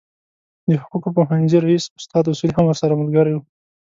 د حقوقو پوهنځي رئیس استاد اصولي هم ورسره ملګری و.